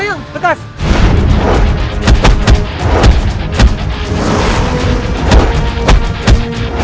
raden nabi qara datang